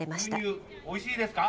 牛乳おいしいですか？